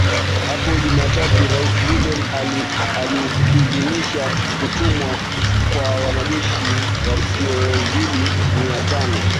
Hapo Jumatatu Rais Biden aliidhinisha kutumwa kwa wanajeshi wasiozidi mia tano